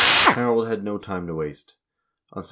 Harold had no time to waste. On Sept.